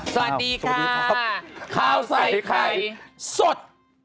สวัสดีค่ะข้าวใส่ไข่สด